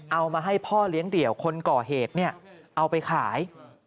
เอามาให้พ่อเลี้ยงเดี่ยวคนก่อเหตุเอาไปขาย